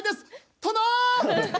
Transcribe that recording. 殿。